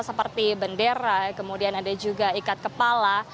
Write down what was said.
seperti bendera kemudian ada juga ikat kepala